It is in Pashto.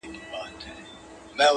پر لمن د پسرلي به څاڅکي څاڅکي صدف اوري٫